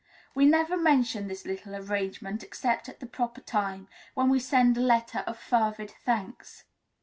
We never mention this little arrangement except at the proper time, when we send a letter of fervid thanks.